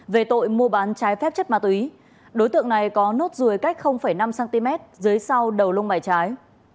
về tội mua bán trái phép chất ma túy đối tượng này có nốt ruồi cách năm cm dưới sau đầu lông bài trái